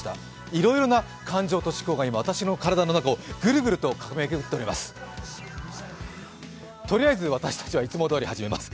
いろいろな感情と思考が今、私の体の中をぐるぐると駆け巡っております。